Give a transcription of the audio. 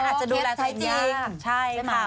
อาจจะดูแลท้ายจริง